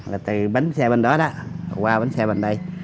là từ bánh xe bên đó đó qua bánh xe bên đây